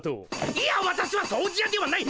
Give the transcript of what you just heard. いやわたしは「掃除や」ではない！